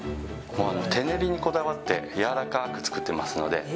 手練りにこだわってやわらかく作っていますので。